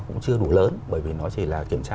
cũng chưa đủ lớn bởi vì nó chỉ là kiểm tra